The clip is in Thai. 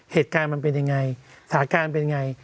เหตุการณ์มันเป็นยังไงสถานการณ์เป็นยังไง